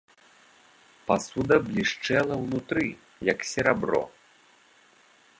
Пасуда блішчэла ўнутры, як серабро.